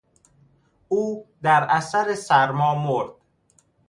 او در اثر سرما مرد.